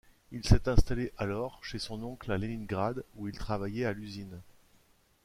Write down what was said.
Il s'est installé, alors, chez son oncle à Leningrad où il travaillait à l'usine.